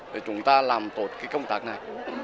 để chúng ta làm tốt cái công tác này